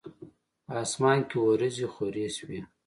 په اسمان کې وریځي خوری شوی